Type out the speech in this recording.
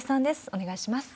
お願いします。